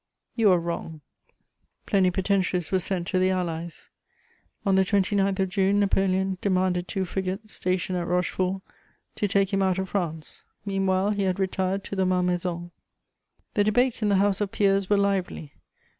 You are wrong." Plenipotentiaries were sent to the Allies. On the 29th of June, Napoleon demanded two frigates, stationed at Rochefort, to take him out of France. Meanwhile he had retired to the Malmaison. The debates in the House of Peers were lively.